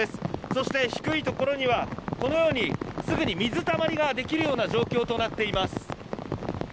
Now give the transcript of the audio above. そして低いところにはこのようにすぐに水たまりができるような状況となっています。